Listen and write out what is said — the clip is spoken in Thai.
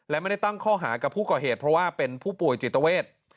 และไม่ได้ตั้งข้อหากับผู้ก่อเหตุเพราะว่าเป็นผู้ป่วยจิตเวท